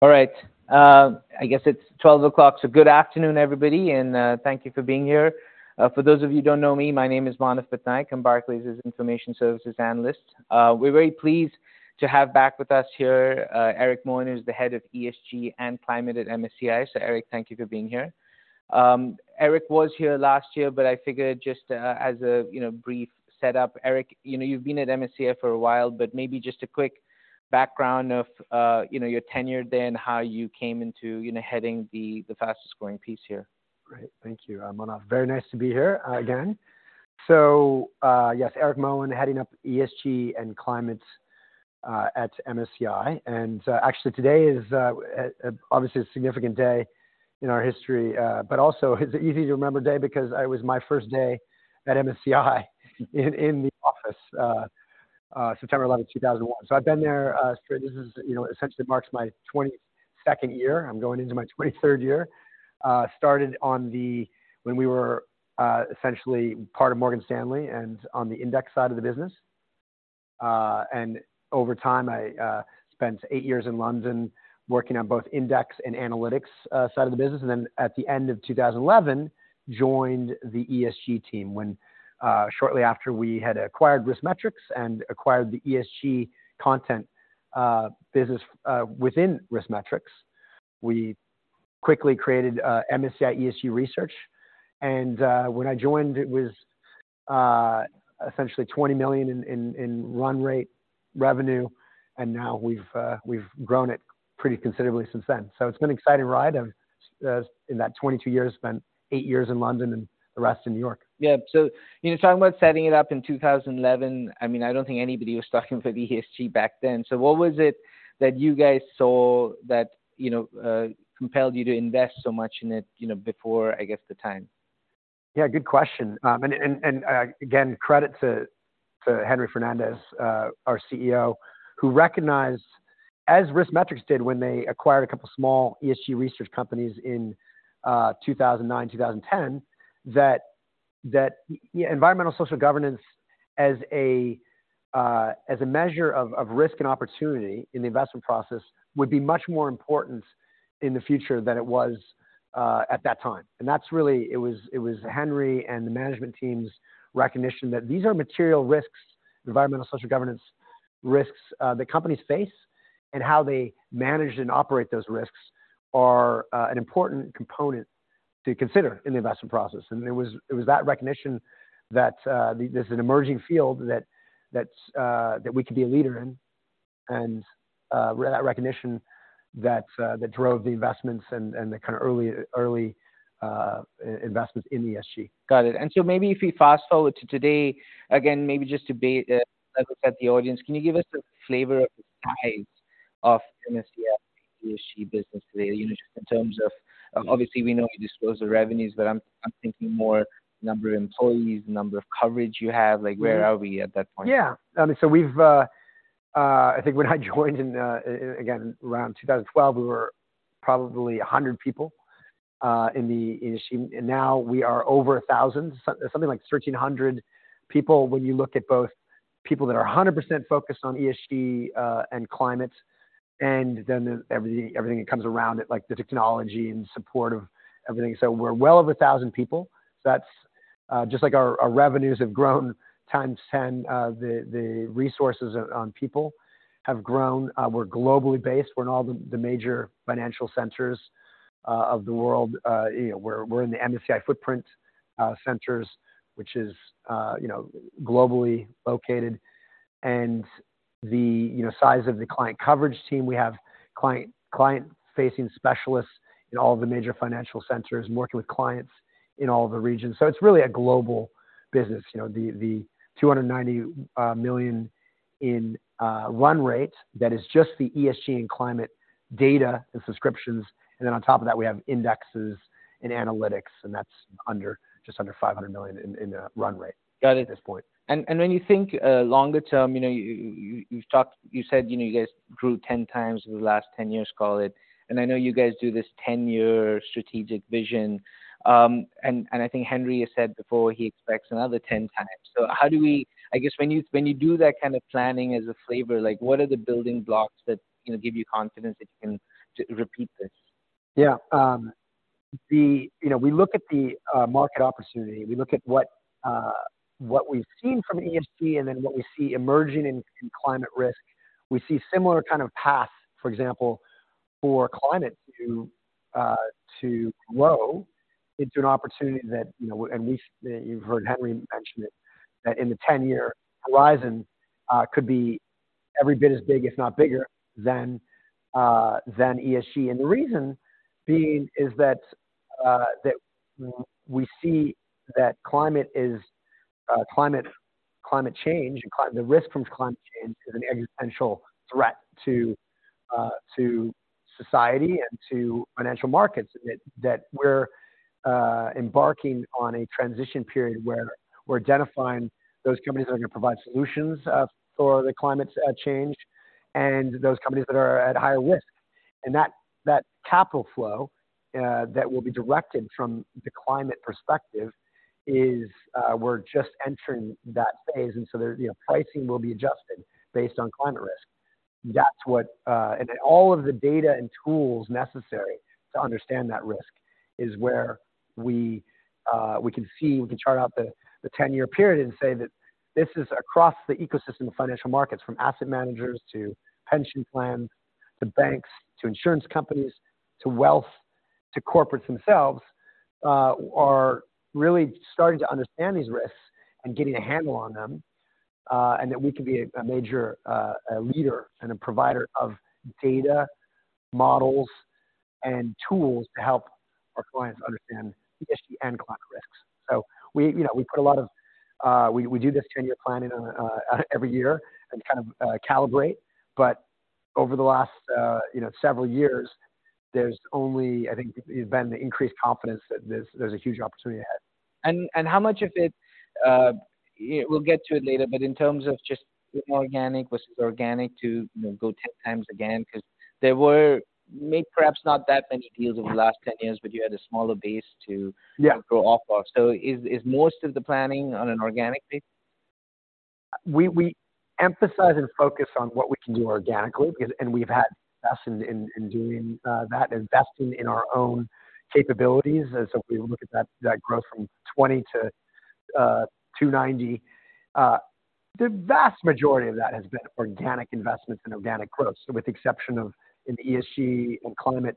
All right, I guess it's 12:00 P.M., so good afternoon, everybody, and thank you for being here. For those of you who don't know me, my name is Manav Patnaik. I'm Barclays' Information Services analyst. We're very pleased to have back with us here, Eric Moen, who's the Head of ESG and Climate at MSCI. So Eric, thank you for being here. Eric was here last year, but I figured just, as a, you know, brief setup, Eric, you know, you've been at MSCI for a while, but maybe just a quick background of, your tenure there and how you came into, you know, heading the fastest-growing piece here. Great. Thank you, Manav. Very nice to be here again. So, yes, Eric Moen, heading up ESG and Climate at MSCI. And, actually today is obviously a significant day in our history, but also it's an easy to remember day because it was my first day at MSCI in the office September 11, 2001. So I've been there, this is, you know, essentially marks my 22nd year. I'm going into my 23rd year. Started when we were essentially part of Morgan Stanley and on the index side of the business. Over time, I spent eight years in London working on both index and analytics side of the business, and then at the end of 2011, joined the ESG team when, shortly after we had acquired RiskMetrics and acquired the ESG content business within RiskMetrics. We quickly created MSCI ESG Research, and when I joined, it was essentially $20 million in run rate revenue, and now we've grown it pretty considerably since then. So it's been an exciting ride, and in that 22 years, spent eight years in London and the rest in New York. Yeah. So, you know, talking about setting it up in 2011, I mean, I don't think anybody was talking for the ESG back then. So what was it that you guys saw that, you know, compelled you to invest so much in it, you know, before, I guess, the time? Yeah, good question. And again, credit to Henry Fernandez, our CEO, who recognized, as RiskMetrics did when they acquired a couple small ESG research companies in 2009, 2010, that yeah, environmental social governance as a measure of risk and opportunity in the investment process would be much more important in the future than it was at that time. And that's really it was Henry and the management team's recognition that these are material risks, environmental social governance risks, that companies face, and how they manage and operate those risks are an important component to consider in the investment process. And it was that recognition that there's an emerging field that we could be a leader in, and that recognition that drove the investments and the kind of early investments in ESG. Got it. And so maybe if we fast-forward to today, again, maybe just to be, like I said, the audience, can you give us a flavor of the size of MSCI ESG business today, you know, just in terms of- obviously, we know you disclose the revenues, but I'm, I'm thinking more number of employees, number of coverage you have. Like, where are we at that point? Yeah. So we've, I think when I joined in, again, around 2012, we were probably 100 people in the ESG, and now we are over 1,000, so something like 1,300 people when you look at both people that are 100% focused on ESG and climate, and then the everything, everything that comes around it, like the technology and support of everything. So we're well over 1,000 people. That's just like our revenues have grown 10 times, the resources on people have grown. We're globally based. We're in all the major financial centers of the world. You know, we're in the MSCI footprint centers, which is, you know, globally located. You know, the size of the client coverage team, we have client-facing specialists in all the major financial centers working with clients in all the regions. So it's really a global business. You know, the $290 million in run rate, that is just the ESG and climate data and subscriptions, and then on top of that, we have indexes and analytics, and that's just under $500 million in the run rate. Got it At this point. And when you think longer term, you know, you've talked... you said, you know, you guys grew 10x in the last 10 years, call it. And I know you guys do this 10-year strategic vision. And I think Henry has said before he expects another 10x. So how do we—I guess when you do that kind of planning as a flavor, like what are the building blocks that, you know, give you confidence that you can repeat this? Yeah. You know, we look at the market opportunity. We look at what, what we've seen from ESG and then what we see emerging in climate risk. We see similar kind of paths, for example, for climate to grow into an opportunity that, you know, at least you've heard Henry mention it, that in the 10-year horizon could be every bit as big, if not bigger, than ESG. And the reason being is that we see that climate change, the risk from climate change is an existential threat to society and to financial markets, that we're embarking on a transition period where we're identifying those companies that are going to provide solutions for the climate change, and those companies that are at higher risk. That capital flow that will be directed from the climate perspective is; we're just entering that phase, and so there, you know, pricing will be adjusted based on climate risk. That's what—and then all of the data and tools necessary to understand that risk is where we can see, we can chart out the 10-year period and say that this is across the ecosystem of financial markets, from asset managers to pension plans, to banks, to insurance companies, to wealth, to corporates themselves, are really starting to understand these risks and getting a handle on them. And that we can be a major leader and a provider of data, models, and tools to help our clients understand ESG and climate risks. So we, you know, we put a lot of... We do this 10-year planning on every year and kind of calibrate, but over the last, you know, several years, there's only, I think, there's been increased confidence that there's a huge opportunity ahead. How much of it, we'll get to it later, but in terms of just organic versus organic to, you know, go 10 times again, 'cause there were maybe perhaps not that many deals over the last 10 years, but you had a smaller base to- Yeah. -to grow off of. So is most of the planning on an organic base? We emphasize and focus on what we can do organically, because we've had success in doing that, investing in our own capabilities. And so if we look at that growth from 20 to 290, the vast majority of that has been organic investments and organic growth. So with the exception of in the ESG and climate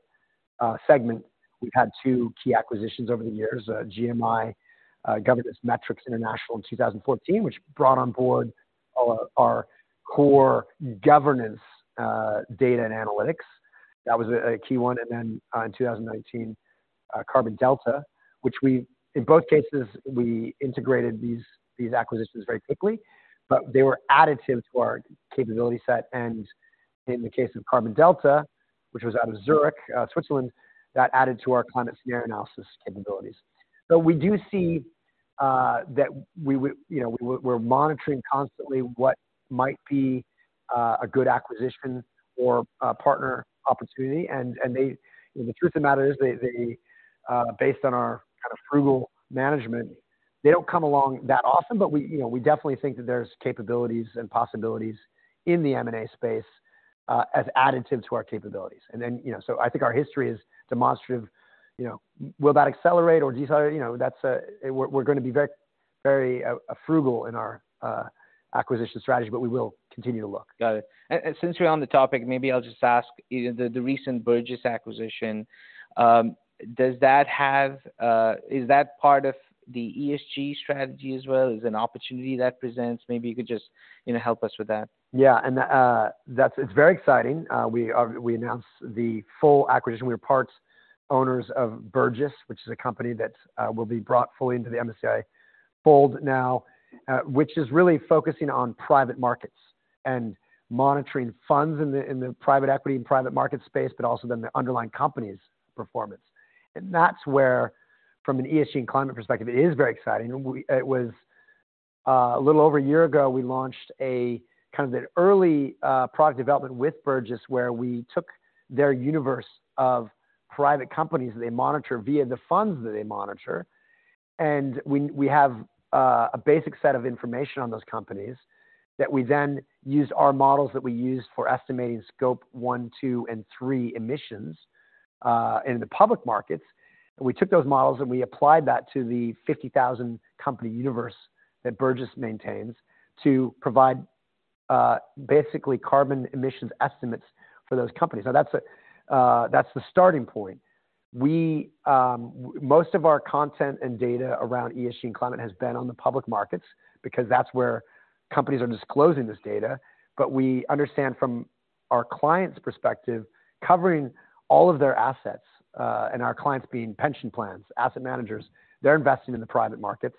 segment, we've had two key acquisitions over the years, GMI, Governance Metrics International in 2014, which brought on board our core governance data and analytics. That was a key one, and then in 2019, Carbon Delta. In both cases, we integrated these acquisitions very quickly, but they were additive to our capability set, and in the case of Carbon Delta, which was out of Zurich, Switzerland, that added to our climate scenario analysis capabilities. So we do see, you know, we're monitoring constantly what might be a good acquisition or a partner opportunity. And the truth of the matter is, based on our kind of frugal management, they don't come along that often. But we, you know, we definitely think that there's capabilities and possibilities in the M&A space as additives to our capabilities. And then, you know, so I think our history is demonstrative. You know, will that accelerate or decelerate? You know, that's. We're going to be very, very frugal in our acquisition strategy, but we will continue to look. Got it. And since we're on the topic, maybe I'll just ask, you know, the recent Burgiss acquisition, does that have... Is that part of the ESG strategy as well? Is an opportunity that presents, maybe you could just, you know, help us with that. Yeah, and that's it very exciting. We announced the full acquisition. We are part owners of Burgiss, which is a company that will be brought fully into the MSCI fold now, which is really focusing on private markets and monitoring funds in the private equity and private market space, but also then the underlying companies' performance. And that's where from an ESG and climate perspective, it is very exciting. It was a little over a year ago, we launched a kind of an early product development with Burgiss, where we took their universe of private companies that they monitor via the funds that they monitor, and we have a basic set of information on those companies that we then use our models that we use for estimating Scope 1, 2, and 3 emissions in the public markets. And we took those models, and we applied that to the 50,000 company universe that Burgiss maintains to provide basically carbon emissions estimates for those companies. Now, that's the starting point. We most of our content and data around ESG and climate has been on the public markets because that's where companies are disclosing this data. But we understand from our clients' perspective, covering all of their assets, and our clients being pension plans, asset managers, they're investing in the private markets,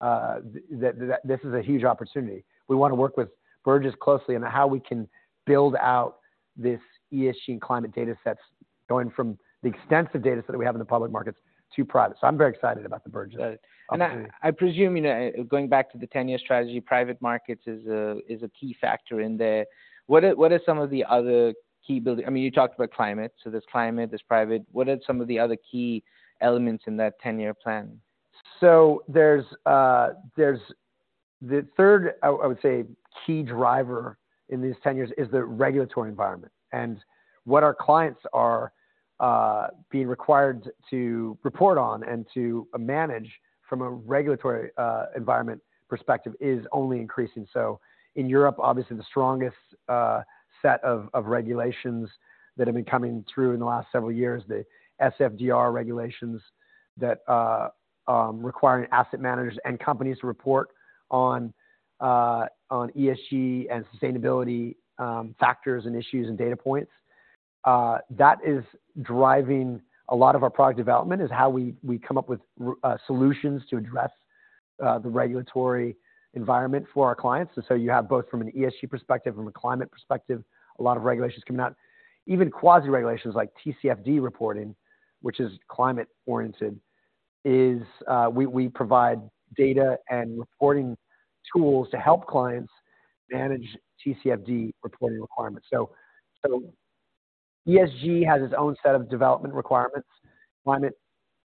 that this is a huge opportunity. We want to work with Burgiss closely on how we can build out this ESG and climate data sets, going from the extensive data set that we have in the public markets to private. So I'm very excited about the Burgiss. Got it. And I presume, you know, going back to the 10-year strategy, private markets is a key factor in there. What are some of the other key building... I mean, you talked about climate, so there's climate, there's private. What are some of the other key elements in that 10-year plan? So there's the third, I would say, key driver in these ten years is the regulatory environment. And what our clients are being required to report on and to manage from a regulatory environment perspective is only increasing. So in Europe, obviously, the strongest set of regulations that have been coming through in the last several years, the SFDR regulations that requiring asset managers and companies to report on ESG and sustainability factors and issues and data points that is driving a lot of our product development, is how we come up with solutions to address the regulatory environment for our clients. And so you have both from an ESG perspective and from a climate perspective, a lot of regulations coming out. Even quasi-regulations like TCFD reporting, which is climate-oriented, is, we provide data and reporting tools to help clients manage TCFD reporting requirements. So, ESG has its own set of development requirements, climate,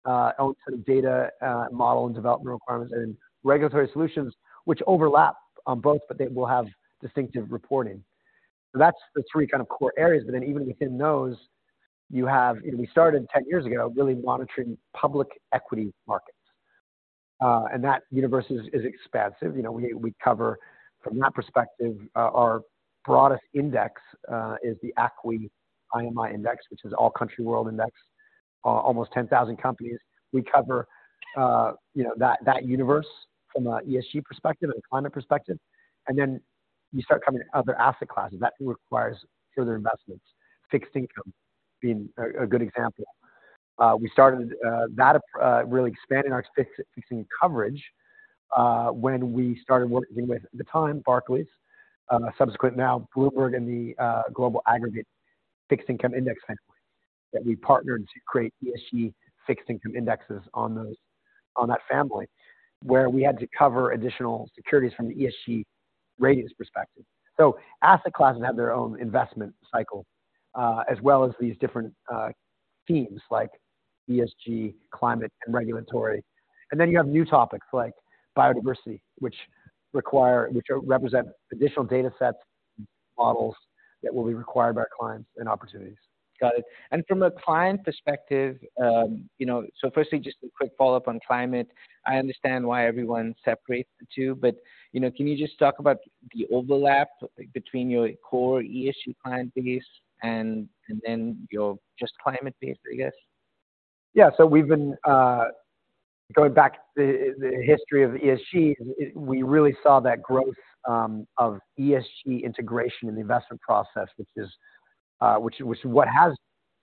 own set of data, model and development requirements, and regulatory solutions, which overlap on both, but they will have distinctive reporting. So that's the three kind of core areas, but then even within those, you have. We started ten years ago, really monitoring public equity markets. And that universe is expansive. You know, we cover from that perspective, our broadest index is the ACWI IMI index, which is All Country World Index, almost 10,000 companies. We cover, you know, that universe from a ESG perspective and a climate perspective. Then you start covering other asset classes, that requires further investments, fixed income being a good example. We started really expanding our fixed income coverage when we started working with, at the time, Barclays, subsequently now Bloomberg and the Global Aggregate Fixed Income Index family, that we partnered to create ESG fixed income indexes on that family, where we had to cover additional securities from the ESG ratings perspective. So asset classes have their own investment cycle as well as these different themes like ESG, climate, and regulatory. Then you have new topics like biodiversity, which represent additional data sets, models that will be required by our clients and opportunities. Got it. From a client perspective, you know, so firstly, just a quick follow-up on climate. I understand why everyone separates the two, but, you know, can you just talk about the overlap between your core ESG client base and then your just climate base, I guess? Yeah, so we've been going back to the history of ESG. We really saw that growth of ESG integration in the investment process, which is what has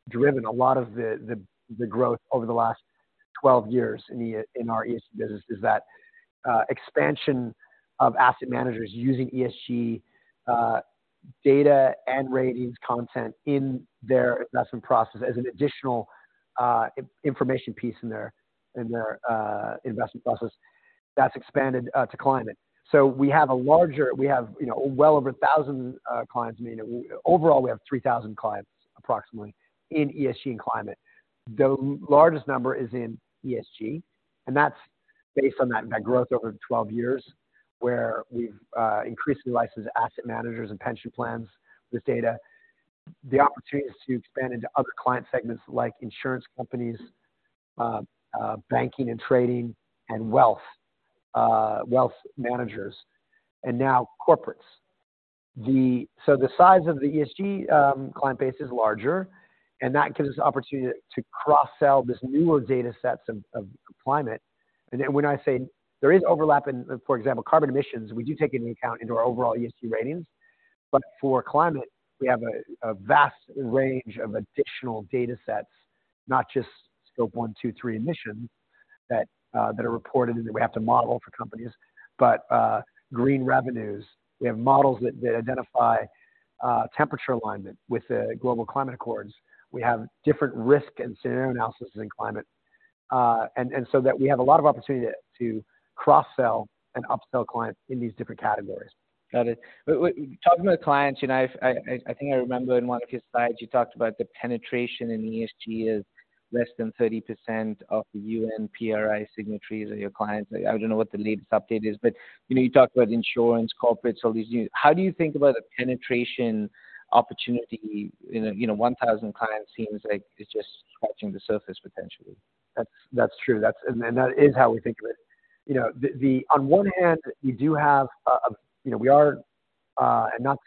driven a lot of the growth over the last 12 years in our ESG business, is that expansion of asset managers using ESG data and ratings content in their investment process as an additional information piece in their investment process. That's expanded to climate. So we have, you know, well over 1,000 clients. I mean, overall, we have 3,000 clients approximately in ESG and climate. The largest number is in ESG, and that's based on that growth over the 12 years, where we've increasingly licensed asset managers and pension plans with data. The opportunity is to expand into other client segments like insurance companies, banking and trading, and wealth managers, and now corporates. So the size of the ESG client base is larger, and that gives us the opportunity to cross-sell this newer data sets of climate. And then when I say there is overlap in, for example, carbon emissions, we do take into account into our overall ESG ratings. But for climate, we have a vast range of additional data sets, not just Scope 1, 2, 3 emissions, that are reported and that we have to model for companies, but green revenues. We have models that identify temperature alignment with the global climate accords. We have different risk and scenario analysis in climate, and so that we have a lot of opportunity to cross-sell and upsell clients in these different categories. Got it. Talking about clients, you know, I think I remember in one of your slides, you talked about the penetration in ESG is less than 30% of the UNPRI signatories are your clients. I don't know what the latest update is, but, you know, you talked about insurance, corporates, all these new... How do you think about the penetration opportunity? You know, you know, 1,000 clients seems like it's just scratching the surface, potentially. That's true. That's and that is how we think of it. You know, on one hand, you do have, you know, we are and not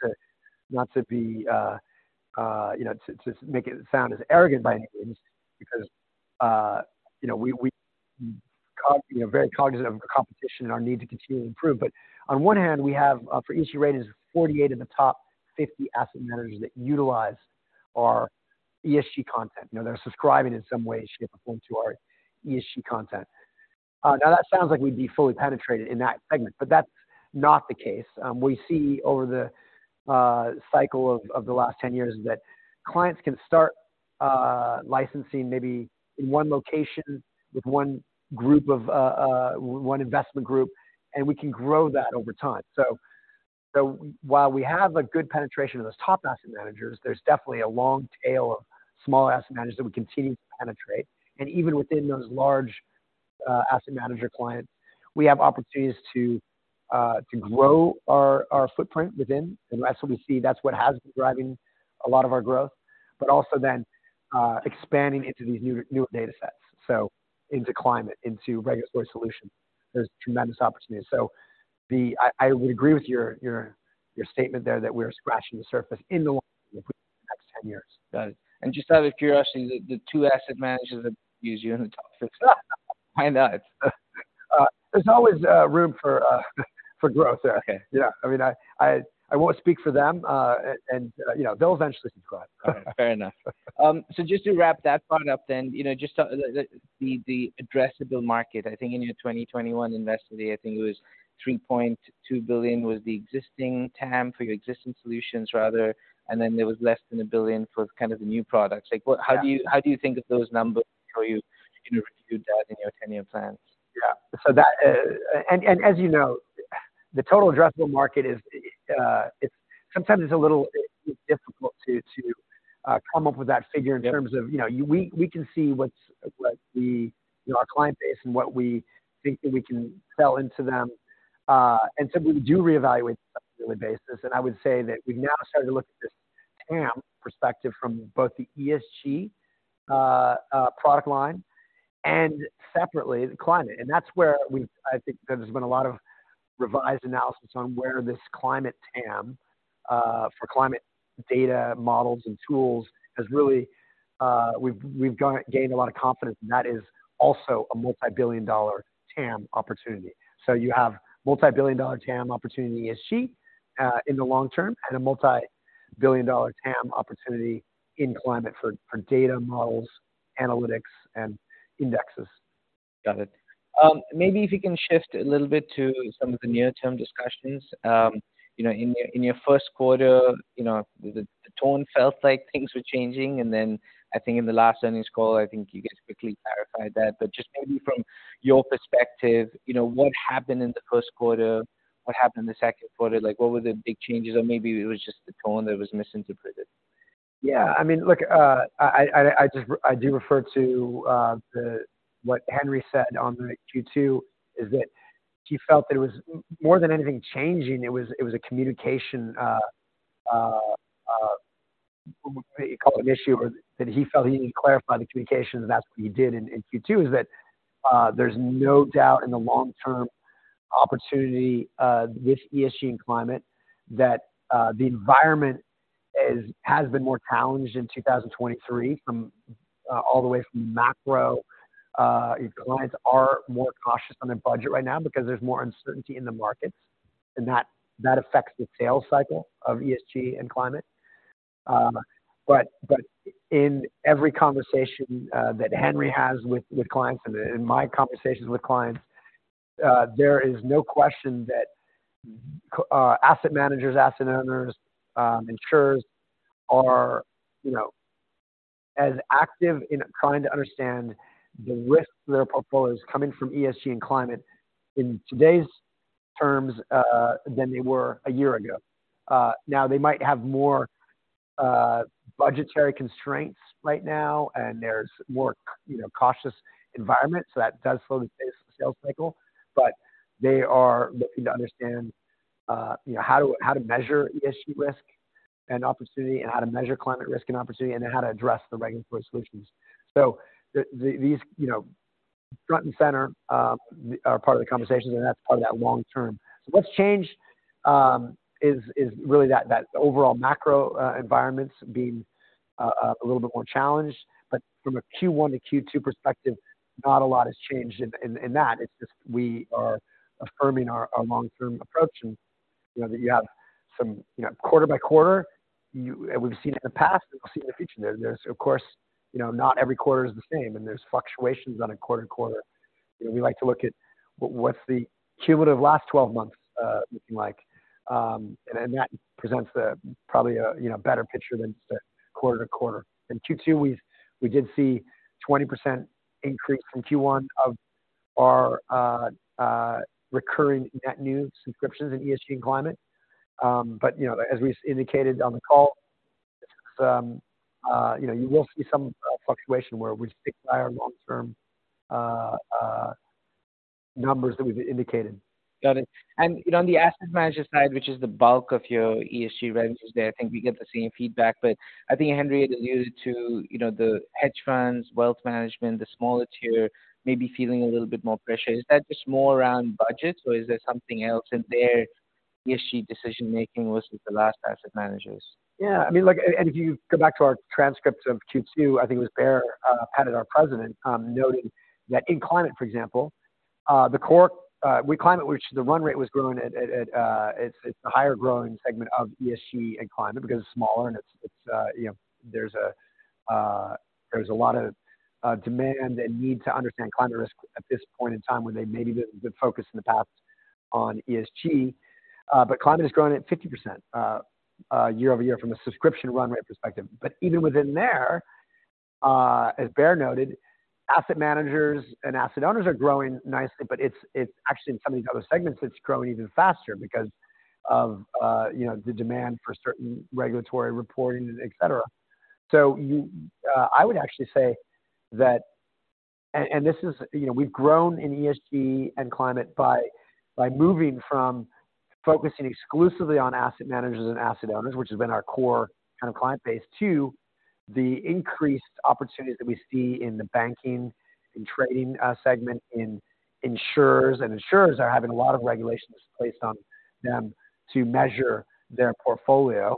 to be, you know, to make it sound as arrogant by any means, because, you know, we're very cognizant of competition and our need to continue to improve. But on one hand, we have, for ESG Ratings, 48 of the top 50 asset managers that utilize our ESG content. You know, they're subscribing in some way, shape, or form to our ESG content. Now, that sounds like we'd be fully penetrated in that segment, but that's not the case. We see over the cycle of the last 10 years, that clients can start licensing maybe in one location with one group of one investment group, and we can grow that over time. So while we have a good penetration of those top asset managers, there's definitely a long tail of small asset managers that we continue to penetrate. And even within those large asset manager clients, we have opportunities to grow our footprint within. And that's what we see, that's what has been driving a lot of our growth, but also then expanding into these new, newer data sets, so into climate, into regulatory solutions. There's tremendous opportunity. So I would agree with your statement there, that we're scratching the surface in the next 10 years. Got it. Just out of curiosity, the two asset managers that use you in the top six? I know. There's always room for growth there. Okay. Yeah. I mean, I won't speak for them, and you know, they'll eventually subscribe. Fair enough. So just to wrap that part up then, you know, just the addressable market, I think in your 2021 investment, I think it was $3.2 billion, was the existing TAM for your existing solutions rather, and then there was less than $1 billion for kind of the new products. Like what how do you think of those numbers, how you're going to reduce that in your ten-year plans? Yeah. So that, and as you know... The total addressable market is, it's sometimes a little difficult to come up with that figure in terms of, you know, we can see what's, you know, our client base and what we think that we can sell into them. And so we do reevaluate on a monthly basis, and I would say that we've now started to look at this TAM perspective from both the ESG product line and separately, the climate. And that's where we've-- I think there's been a lot of revised analysis on where this climate TAM for climate data models and tools has really, we've gained a lot of confidence, and that is also a multibillion-dollar TAM opportunity. So you have multibillion-dollar TAM opportunity ESG in the long term, and a multibillion-dollar TAM opportunity in climate for data models, analytics, and indexes. Got it. Maybe if you can shift a little bit to some of the near-term discussions. You know, in your, in your first quarter, you know, the tone felt like things were changing, and then I think in the last earnings call, I think you guys quickly clarified that. But just maybe from your perspective, you know, what happened in the first quarter? What happened in the second quarter? Like, what were the big changes, or maybe it was just the tone that was misinterpreted. Yeah, I mean, look, I just do refer to what Henry said on the Q2, is that he felt that it was more than anything changing. It was a communication he called an issue, or that he felt he needed to clarify the communication, and that's what he did in Q2, is that there's no doubt in the long-term opportunity with ESG and climate, that the environment has been more challenged in 2023, from all the way from macro. Clients are more cautious on their budget right now because there's more uncertainty in the markets, and that affects the sales cycle of ESG and climate. But in every conversation that Henry has with clients and in my conversations with clients, there is no question that asset managers, asset owners, insurers are, you know, as active in trying to understand the risks of their portfolios coming from ESG and climate in today's terms than they were a year ago. Now, they might have more budgetary constraints right now, and there's more, you know, cautious environment, so that does slow the pace of the sales cycle. But they are looking to understand, you know, how to measure ESG risk and opportunity and how to measure climate risk and opportunity, and then how to address the regulatory solutions. So these, you know, front and center are part of the conversations, and that's part of that long term. So what's changed is really that overall macro environments being a little bit more challenged. But from a Q1 to Q2 perspective, not a lot has changed in that. It's just we are affirming our long-term approach. And you know, you have some... You know, quarter by quarter, and we've seen in the past, and we'll see in the future, there's of course you know, not every quarter is the same, and there's fluctuations on a quarter to quarter. You know, we like to look at what's the cumulative last 12 months looking like. And then that presents a probably a you know better picture than just a quarter to quarter. In Q2, we did see 20% increase from Q1 of our recurring net new subscriptions in ESG and climate. But, you know, as we indicated on the call, you know, you will see some fluctuation where we stick by our long-term numbers that we've indicated. Got it. And, you know, on the asset manager side, which is the bulk of your ESG revenues there, I think we get the same feedback. But I think Henry alluded to, you know, the hedge funds, wealth management, the smaller tier, maybe feeling a little bit more pressure. Is that just more around budgets, or is there something else in their ESG decision-making versus the larger asset managers? Yeah, I mean, look, and if you go back to our transcripts of Q2, I think it was Baer Pettit, our President, noting that in climate, for example, the core with climate, which the run rate was growing at, it's a higher growing segment of ESG and climate because it's smaller and it's, you know, there's a lot of demand and need to understand climate risk at this point in time, where they maybe been focused in the past on ESG. But climate is growing at 50%, year-over-year from a subscription run rate perspective. But even within there, as Baer noted, asset managers and asset owners are growing nicely, but it's actually in some of these other segments; it's growing even faster because of, you know, the demand for certain regulatory reporting, et cetera. I would actually say that, and this is, you know, we've grown in ESG and climate by moving from focusing exclusively on asset managers and asset owners, which has been our core kind of client base, to the increased opportunities that we see in the banking and trading segment, in insurers. And insurers are having a lot of regulations placed on them to measure their portfolio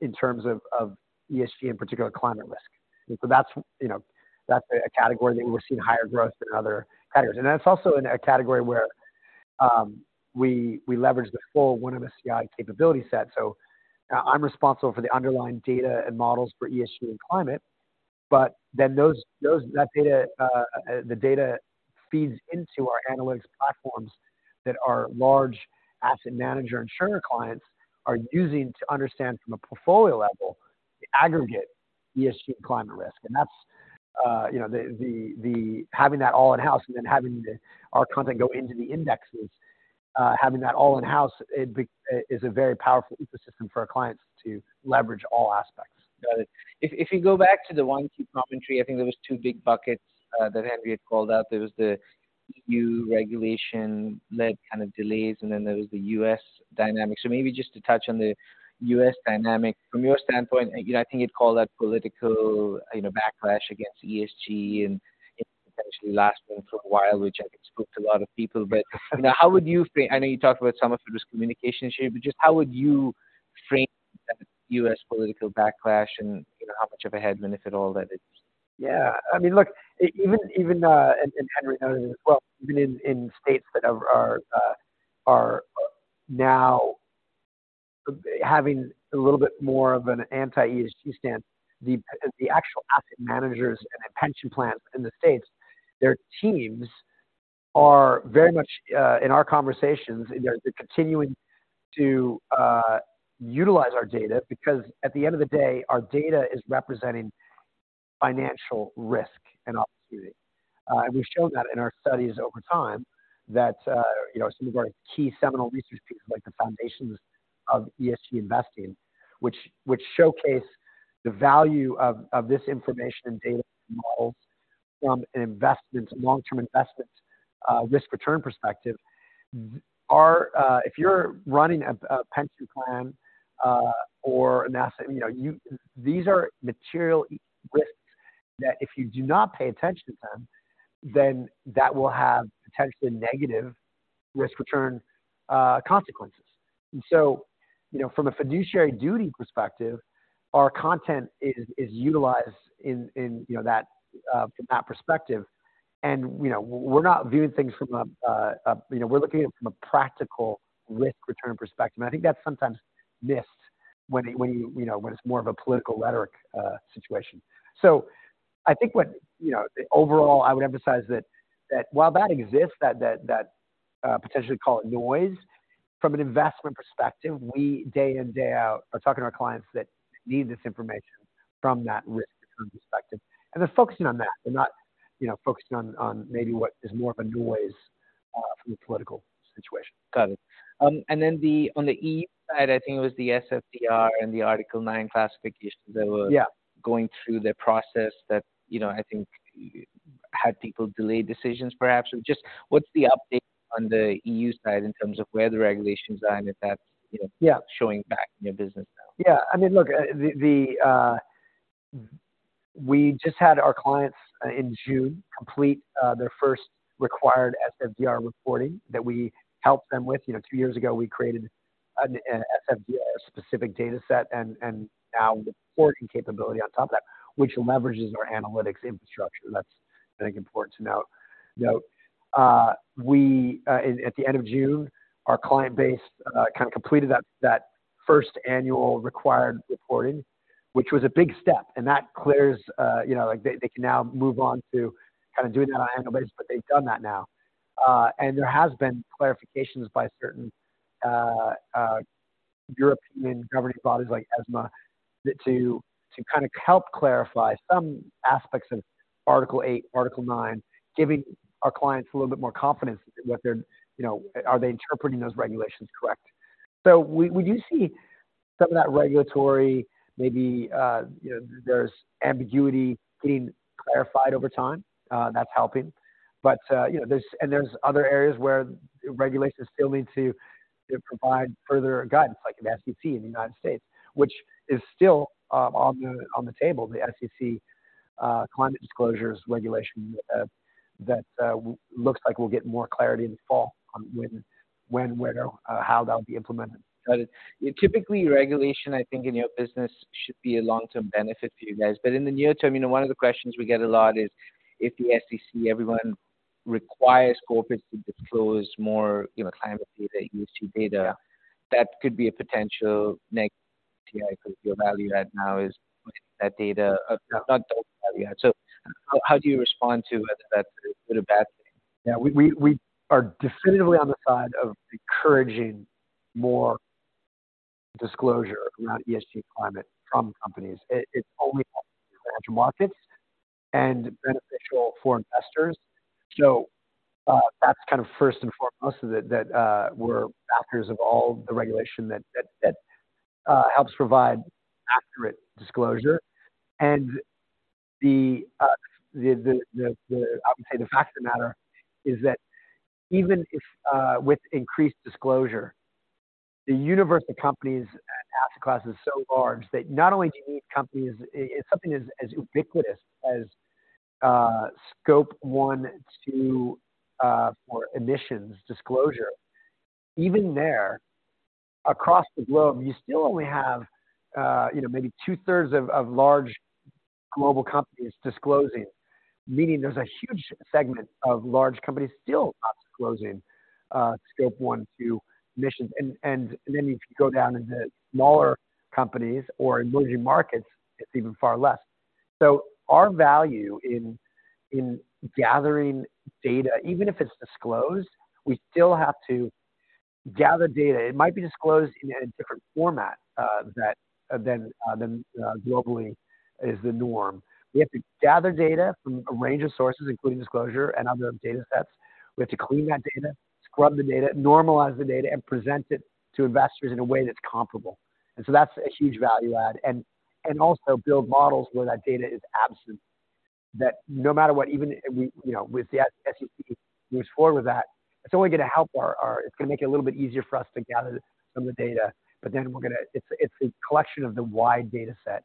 in terms of ESG, in particular, climate risk. So that's, you know, that's a category that we're seeing higher growth than other competior. And that's also in a category where we leverage the full one of the MSCI capability set. So, I'm responsible for the underlying data and models for ESG and climate, but then that data feeds into our analytics platforms that large asset manager, insurer clients are using to understand from a portfolio level the aggregate ESG climate risk. And that's, you know, the having that all in-house and then having our content go into the indexes, having that all in-house, it is a very powerful ecosystem for our clients to leverage all aspects. Got it. If you go back to the Q1 and Q2 commentary, I think there were two big buckets that Henry had called out. There was the EU regulation-led kind of delays, and then there was the U.S. dynamic. So maybe just to touch on the U.S. dynamic from your standpoint, you know, I think you'd call that political, you know, backlash against ESG, and it potentially lasting for a while, which I think spooked a lot of people. But now, how would you frame... I know you talked about some of it was communication issue, but just how would you frame that U.S. political backlash and, you know, how much of a headwind, if at all, that is? Yeah, I mean, look, even, and Henry knows this well, even in states that are now having a little bit more of an anti-ESG stance, the actual asset managers and the pension plans in the States, their teams are very much in our conversations, they're continuing to utilize our data because at the end of the day, our data is representing financial risk and opportunity. And we've shown that in our studies over time, that you know, some of our key seminal research pieces, like the Foundations of ESG Investing, which showcase the value of this information and data models from an investment, long-term investment risk-return perspective. We are if you're running a pension plan or an asset, you know, these are material risks that if you do not pay attention to them, then that will have potentially negative risk-return consequences. And so, you know, from a fiduciary duty perspective, our content is utilized in you know that from that perspective. And, you know, we're not viewing things from a. You know, we're looking at it from a practical risk-return perspective, and I think that's sometimes missed when you know when it's more of a political rhetoric situation. So I think what you know overall, I would emphasize that potentially call it noise from an investment perspective, we day in day out are talking to our clients that need this information from that risk-return perspective. They're focusing on that. They're not, you know, focusing on, on maybe what is more of a noise from the political situation. Got it. And then, on the EU side, I think it was the SFDR and the Article 9 classifications that were going through the process that, you know, I think had people delay decisions, perhaps. So just what's the update on the EU side in terms of where the regulations are and if that's, you know? Yeah. Showing back in your business now? Yeah, I mean, look, the... We just had our clients in June complete their first required SFDR reporting that we helped them with. You know, two years ago, we created an SFDR specific data set and now reporting capability on top of that, which leverages our analytics infrastructure. That's, I think, important to note. We at the end of June, our client base kind of completed that first annual required reporting, which was a big step, and that clears, you know, like, they can now move on to kind of doing that on our own base, but they've done that now. And there has been clarifications by certain European governing bodies like ESMA, to kind of help clarify some aspects of Article 8, Article 9, giving our clients a little bit more confidence that they're, you know, are they interpreting those regulations correct? So we do see some of that regulatory maybe, you know, there's ambiguity being clarified over time, that's helping. But you know, there's, and there's other areas where regulations still need to provide further guidance, like in the SEC in the United States, which is still on the table, the SEC climate disclosures regulation, that looks like we'll get more clarity in the fall on when, where, how that'll be implemented. Got it. Typically, regulation, I think, in your business, should be a long-term benefit for you guys. But in the near term, you know, one of the questions we get a lot is: If the SEC, everyone requires corporates to disclose more, you know, climate data, ESG data, that could be a potential negative, because your value add now is that data, not the value add. So how do you respond to whether that's a good or bad thing? Yeah, we are definitively on the side of encouraging more disclosure around ESG climate from companies. It's only emerging markets and beneficial for investors. So, that's kind of first and foremost, that we're backers of all the regulation that helps provide accurate disclosure. And I would say the fact of the matter is that even if with increased disclosure, the universe of companies and asset class is so large that not only do you need companies... If something as ubiquitous as Scope 1, 2 for emissions disclosure, even there, across the globe, you still only have, you know, maybe two-thirds of large global companies disclosing, meaning there's a huge segment of large companies still not disclosing Scope 1, 2 emissions. Then if you go down into smaller companies or emerging markets, it's even far less. So our value in gathering data, even if it's disclosed, we still have to gather data. It might be disclosed in a different format than globally is the norm. We have to gather data from a range of sources, including disclosure and other data sets. We have to clean that data, scrub the data, normalize the data, and present it to investors in a way that's comparable. And so that's a huge value add, and also build models where that data is absent, that no matter what, even if we, you know, with the SEC moves forward with that, it's only gonna help our. It's gonna make it a little bit easier for us to gather some of the data, but then we're gonna... It's a collection of the wide data set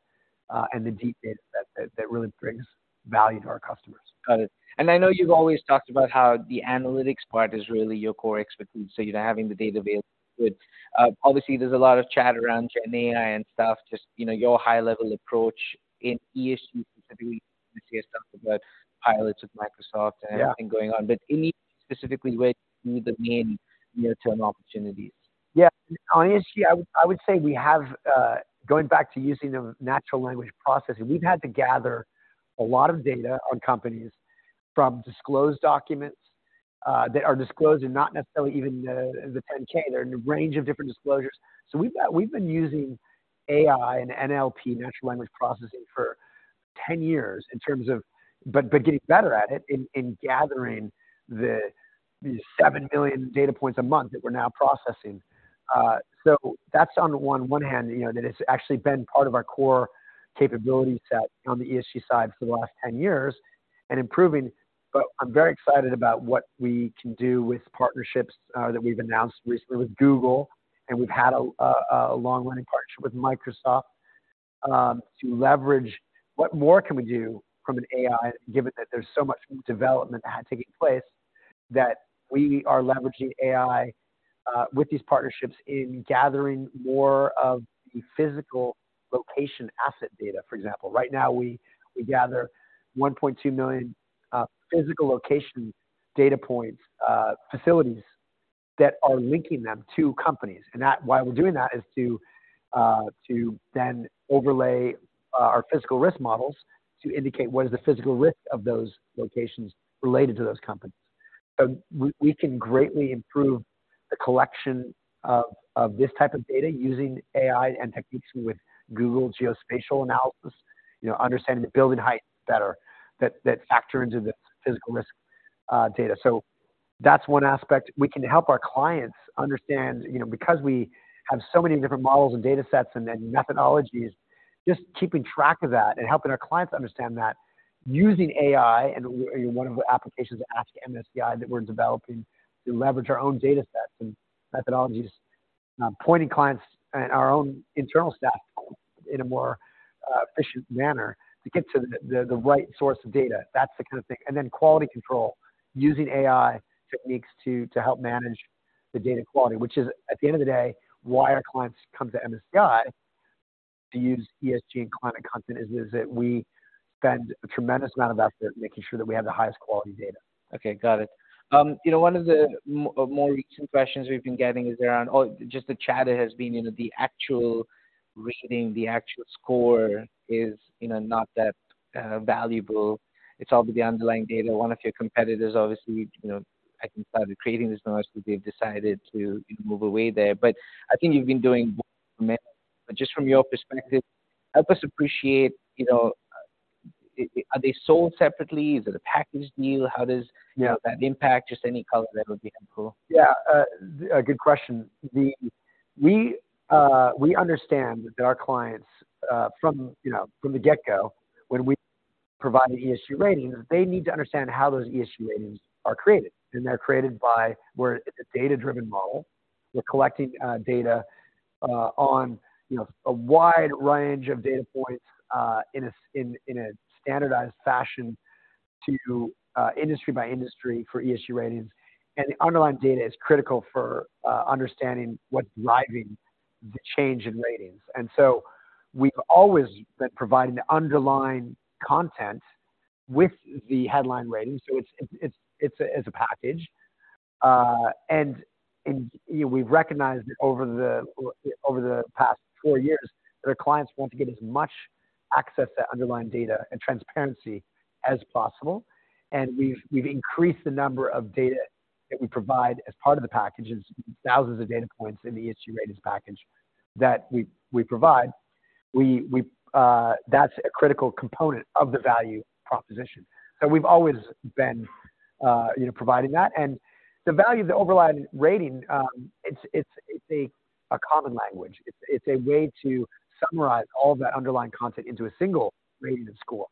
and the deep data set that really brings value to our customers. Got it. And I know you've always talked about how the analytics part is really your core expertise, so, you know, having the data available. But obviously, there's a lot of chat around gen AI and stuff, just, you know, your high-level approach in ESG, specifically, hear stuff about pilots with Microsoft and everything going on. But any specifically where you see the main near-term opportunities? Yeah. On ESG, I would say we have... Going back to using the natural language processing, we've had to gather a lot of data on companies from disclosed documents that are disclosed and not necessarily even the 10-K. They're in a range of different disclosures. So we've got—we've been using AI and NLP, natural language processing, for 10 years in terms of... but getting better at it in gathering these 7 billion data points a month that we're now processing. So that's on the one hand, you know, that it's actually been part of our core capability set on the ESG side for the last 10 years and improving. But I'm very excited about what we can do with partnerships that we've announced recently with Google, and we've had a long-running partnership with Microsoft, to leverage what more can we do from an AI, given that there's so much development that had taking place, that we are leveraging AI with these partnerships in gathering more of the physical location asset data. For example, right now, we gather 1.2 million physical location data points, facilities, that are linking them to companies. And that—why we're doing that is to then overlay our physical risk models to indicate what is the physical risk of those locations related to those companies. So we can greatly improve the collection of this type of data using AI and techniques with Google geospatial analysis, you know, understanding the building heights better, that factor into the physical risk data. So that's one aspect. We can help our clients understand, you know, because we have so many different models and data sets and then methodologies, just keeping track of that and helping our clients understand that using AI and one of the applications at MSCI that we're developing to leverage our own data sets and methodologies, pointing clients and our own internal staff in a more efficient manner to get to the right source of data. That's the kind of thing. Then quality control, using AI techniques to help manage the data quality, which is, at the end of the day, why our clients come to MSCI to use ESG and climate content, is that we spend a tremendous amount of effort making sure that we have the highest quality data. Okay, got it. You know, one of the more recent questions we've been getting is around, or just the chat has been, you know, the actual rating, the actual score is, you know, not that valuable. It's all with the underlying data. One of your competitors, obviously, you know, I think, started creating this noise, but they've decided to move away there. I think you've been doing well. Just from your perspective, help us appreciate, you know, are they sold separately? Is it a packaged deal? How does that impact? Just any color there would be helpful. Yeah. A good question. We understand that our clients, from, you know, from the get-go, when we provide the ESG ratings, they need to understand how those ESG ratings are created. And they're created by where it's a data-driven model. We're collecting data on, you know, a wide range of data points in a standardized fashion to industry by industry for ESG ratings. And the underlying data is critical for understanding what's driving the change in ratings. And so we've always been providing the underlying content with the headline rating, so it's, it's, it's a, it's a package. And you know, we've recognized over the past four years that our clients want to get as much access to underlying data and transparency as possible, and we've increased the number of data that we provide as part of the packages, thousands of data points in the ESG Ratings package that we provide. That's a critical component of the value proposition. So we've always been, you know, providing that. And the value of the overlay rating, it's a common language. It's a way to summarize all that underlying content into a single rating or score,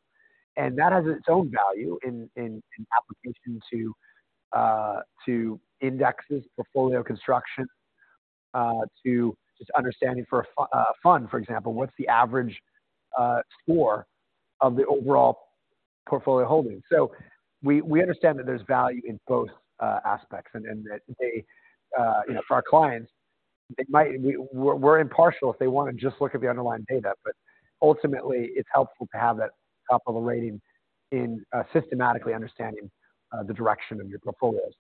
and that has its own value in application to indexes, portfolio construction, to just understanding for a fund, for example, what's the average score of the overall portfolio holdings? So we understand that there's value in both aspects and that they, you know, for our clients, they might... We're impartial if they want to just look at the underlying data, but ultimately it's helpful to have that top of the rating in systematically understanding the direction of your portfolios.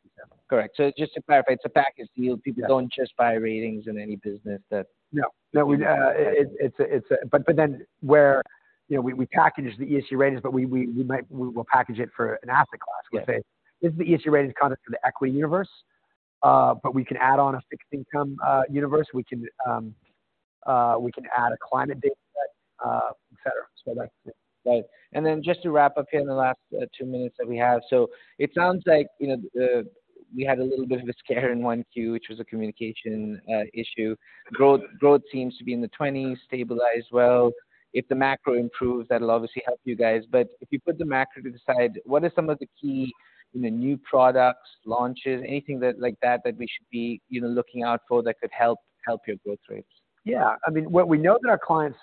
Correct. So just to clarify, it's a package deal. People don't just buy ratings in any business that- No. No, it's a. But then where, you know, we package the ESG Ratings, but we might, we'll package it for an asset class. Yeah. We'll say, this is the ESG Ratings content for the equity universe, but we can add on a fixed income universe. We can, we can add a climate data set, et cetera. So that's it. Right. And then just to wrap up here in the last two minutes that we have. So it sounds like, you know, we had a little bit of a scare in 1Q, which was a communication issue. Growth seems to be in the 20s, stabilized well. If the macro improves, that'll obviously help you guys, but if you put the macro to the side, what are some of the key, you know, new products, launches, anything that, like that, that we should be, you know, looking out for that could help your growth rates? Yeah. I mean, what we know that our clients,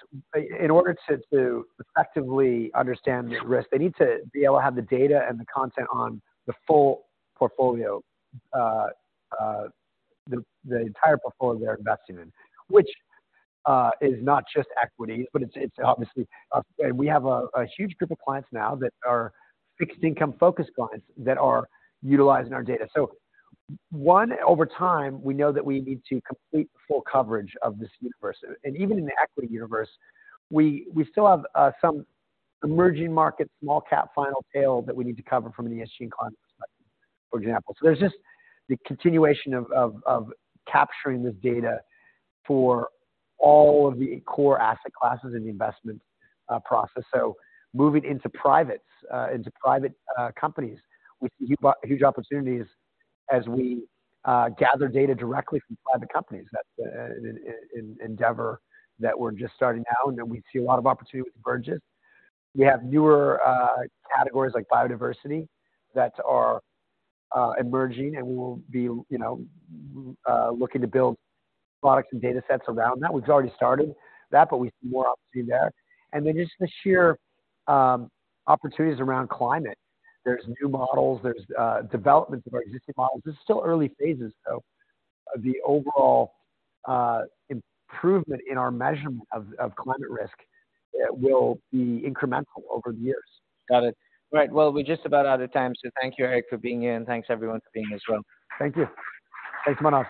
in order to effectively understand risk, they need to be able to have the data and the content on the full portfolio, the entire portfolio they're investing in. Which is not just equity, but it's obviously... And we have a huge group of clients now that are fixed income-focused clients that are utilizing our data. So one, over time, we know that we need to complete the full coverage of this universe. And even in the equity universe, we still have some emerging markets, small cap, final tail that we need to cover from an ESG and climate perspective, for example. So there's just the continuation of capturing this data for all of the core asset classes in the investment process. So moving into privates, into private companies, we see huge opportunities as we gather data directly from private companies. That's an endeavor that we're just starting now, and that we see a lot of opportunity with the mergers. We have newer categories like biodiversity, that are emerging, and we will be, you know, looking to build products and data sets around that. We've already started that, but we see more opportunity there. And then just the sheer opportunities around climate. There's new models, there's developments of our existing models. This is still early phases, so the overall improvement in our measurement of climate risk will be incremental over the years. Got it. Right. Well, we're just about out of time, so thank you, Eric, for being here, and thanks everyone for being here as well. Thank you. Thanks, Manav.